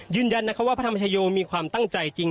ยืนยันว่าพระธรรมชโยมีความตั้งใจจริง